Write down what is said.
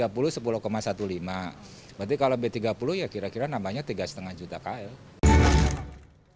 berarti kalau b tiga puluh ya kira kira nambahnya tiga lima juta kl